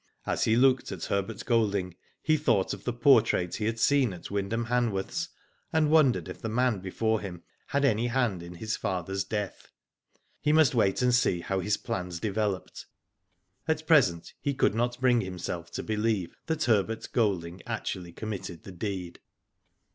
As he looked at Herbert Golding he thought of the portrait he had seen at Wyndham Hanworth*s, and wondered if the man before him had any hand in his father's death. He must wait and see how his plans developed. At present he could not bring himself to believe that Herbert Golding actually committed the deed.